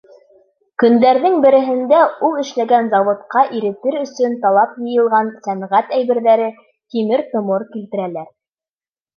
Көндәрҙең- береһендә ул эшләгән заводҡа иретер өсөн талап йыйылған сәнғәт әйберҙәре, тимер-томор килтерәләр.